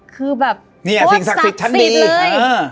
คือแบบโคตรศักดิ์สิทธิ์เลย